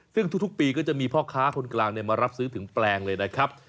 ซึ่งทุกปีก็จะมีพ่อค้าคนกลางมารับซื้อถึงแปลงเลยนะครับ